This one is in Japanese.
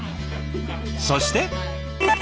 そして。